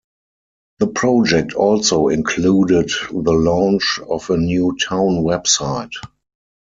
The project also included the launch of a new town website.